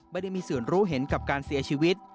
ไม่ได้มีส่วนรู้เห็นกับการเสียชีวิต